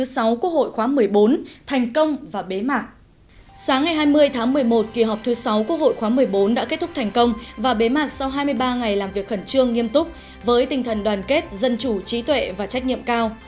sáng ngày hai mươi tháng một mươi một kỳ họp thứ sáu quốc hội khóa một mươi bốn đã kết thúc thành công và bế mạc sau hai mươi ba ngày làm việc khẩn trương nghiêm túc với tinh thần đoàn kết dân chủ trí tuệ và trách nhiệm cao